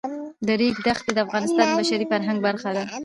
د ریګ دښتې د افغانستان د بشري فرهنګ برخه ده.